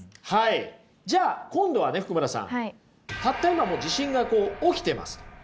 じゃあ今度はね福村さんたった今地震が起きてますと。